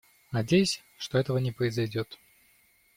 Надеюсь, что этого не произойдет.